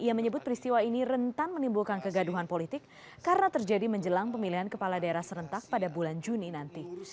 ia menyebut peristiwa ini rentan menimbulkan kegaduhan politik karena terjadi menjelang pemilihan kepala daerah serentak pada bulan juni nanti